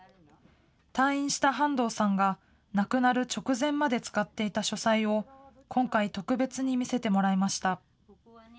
退院した半藤さんが、亡くなる直前まで使っていた書斎を、今回特別に見せてもらいました。